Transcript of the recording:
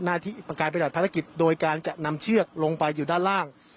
การปฏิบัติภารกิจโดยการจะนำเชือกลงไปอยู่ด้านล่าง